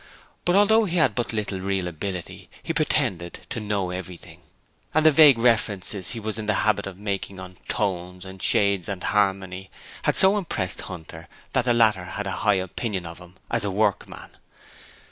But although he had but little real ability he pretended to know everything, and the vague references he was in the habit of making to 'tones', and 'shades', and 'harmony', had so impressed Hunter that the latter had a high opinion of him as a workman.